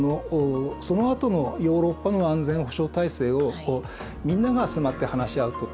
そのあとのヨーロッパの安全保障体制をみんなが集まって話し合うと。